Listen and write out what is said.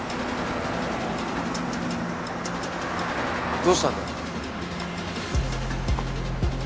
どうしたんだよ。